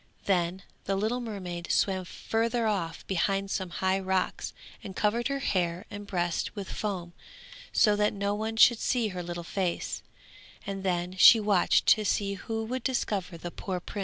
Then the little mermaid swam further off behind some high rocks and covered her hair and breast with foam, so that no one should see her little face, and then she watched to see who would discover the poor prince.